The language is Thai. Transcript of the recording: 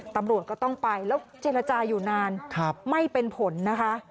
ตำรวจก็ต้องไปแล้วเจรจาอยู่นานไม่เป็นผลนะคะ